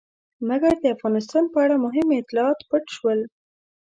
مګر د افغانستان په اړه مهم اطلاعات پټ شول.